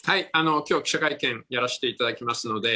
きょう、記者会見やらせていただきますので。